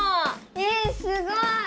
えすごい！